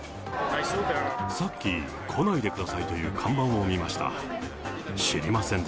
さっき来ないでくださいという看板を見ました。